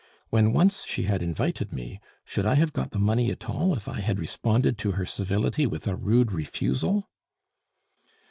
When once she had invited me, should I have got the money at all if I had responded to her civility with a rude refusal?"